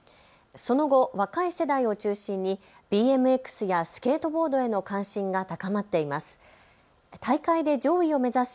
その後、若い世代を中心にＢＭＸやスケートボードへの関心が高まっています。